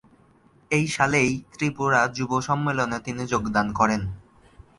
এই সালেই ত্রিপুরা যুব সম্মেলনে তিনি যোগদান করেন।